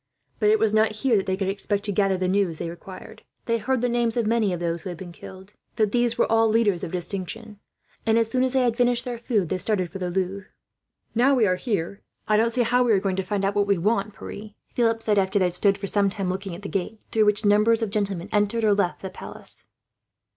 But it was not here that they could expect to gather the news they required. They heard the names of many of those who had been killed, but these were all leaders of distinction; and as soon as they had finished their food, they started for the Louvre. "I don't see how we are to find out what we want, now we are here, Pierre," Philip said, after they had stood for some time, looking at the gate through which numbers of gentlemen entered or left the palace.